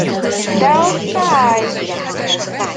De az fáj!